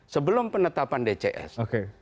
sebelum penetapan dcs